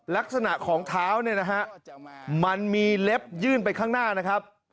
ลักษณะของเท้าเนี่ยนะฮะมันมีเล็บยื่นไปข้างหน้านะครับ